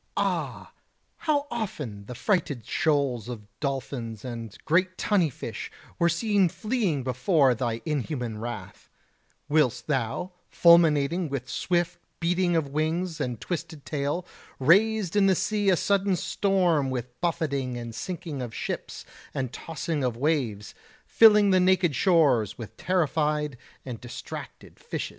Ah! how often the frighted shoals of dolphins and great tunny fish were seen fleeing before thy inhuman wrath; whilst thou, fulminating with swift beating of wings and twisted tail, raised in the sea a sudden storm with buffeting and sinking of ships and tossing of waves, filling the naked shores with terrified and distracted fishes.